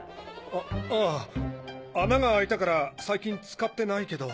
あああ穴が開いたから最近使ってないけど。